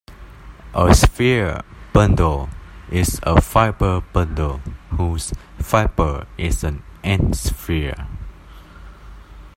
A sphere bundle is a fiber bundle whose fiber is an "n"-sphere.